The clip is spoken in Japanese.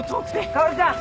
薫ちゃん。